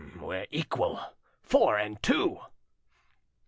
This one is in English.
"We're equal. Four and two."